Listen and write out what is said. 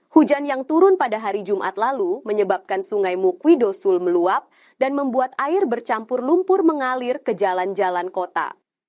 hujan yang turun pada hari jumat lalu menyebabkan sungai mukwidosul meluap dan membuat air bercampur lumpur mengalir ke jalan jalan kota